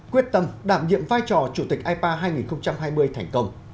quyết tâm đảm nhiệm vai trò chủ tịch ipa hai nghìn hai mươi thành công